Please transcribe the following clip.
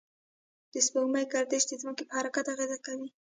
د سپوږمۍ گردش د ځمکې پر حرکت اغېز کوي.